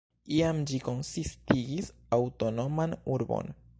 Iam ĝi konsistigis aŭtonoman urbon.